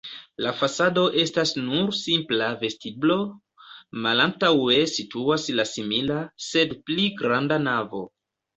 La fasado estas nur simpla vestiblo, malantaŭe situas la simila, sed pli granda navo.